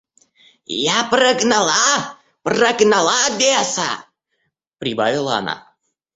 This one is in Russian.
Я прогнала, прогнала беса, — прибавила она.